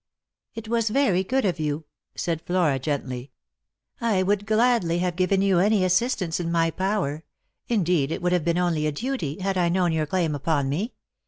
" It was very good of you," said Flora gently. " I would gladly have given you any assistance in my power ; indeed it would have been only a duty, hnl I known your claim upon me.